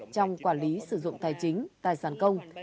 trong quản lý sử dụng tài chính tài sản công